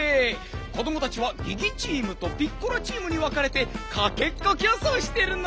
子どもたちはギギチームとピッコラチームにわかれてかっけっこきょうそうしてるのねん！